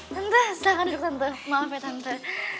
tante silahkan duduk tante maaf ya tante